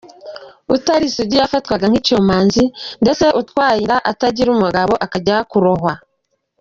Utari isugi yafatwaga nk’icyomanzi, ndetse utwaye inda atagira umugabo akajya kurohwa.